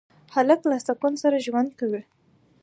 هلک له سکون سره ژوند کوي.